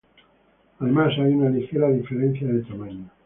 Además hay una ligera diferencia de tamaño.